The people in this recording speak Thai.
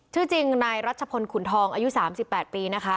ชื่อจริงนายรัชพลขุนทองอายุ๓๘ปีนะคะ